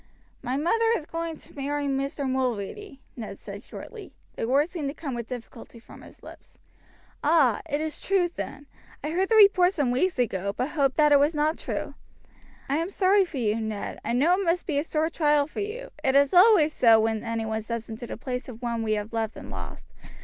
"My mother is going to marry Mr. Mulready," Ned said shortly. The words seemed to come with difficulty from his lips. "Ah! it is true, then. I heard the report some weeks ago, but hoped that it was not true. I am sorry for you, Ned. I know it must be a sore trial for you; it is always so when any one steps into the place of one we have loved and lost."